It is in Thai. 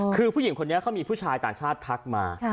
คือผู้หญิงคนนี้เขามีผู้ชายต่างชาติทักมา